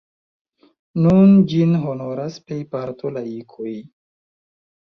Nun ĝin honoras plejparto laikoj.